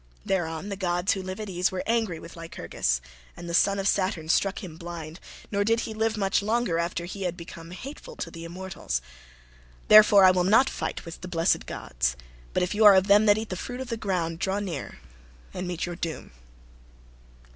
Thereon the gods who live at ease were angry with Lycurgus and the son of Saturn struck him blind, nor did he live much longer after he had become hateful to the immortals. Therefore I will not fight with the blessed gods; but if you are of them that eat the fruit of the ground, draw near and meet your doom."